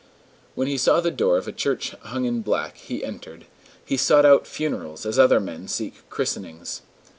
When he saw the door of a church hung in black, he entered: he sought out funerals as other men seek christenings.